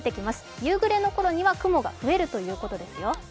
夕暮れのころには雲が増えるということですよ。